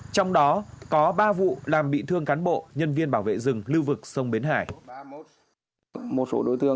trong đó có ba vụ làm bị thương cán bộ